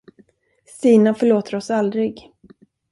Stina förlåter oss aldrig.